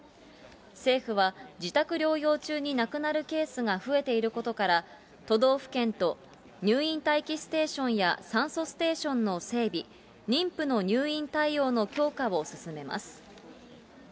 政府は自宅療養中に亡くなるケースが増えていることから、都道府県と、入院待機ステーションや酸素ステーションの整備、妊婦の入院対応の強化を進めます。